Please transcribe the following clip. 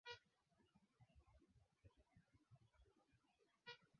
Albalo wewe unataka ya nini licha ya kuwa hatari sioni sababu ya kukuambia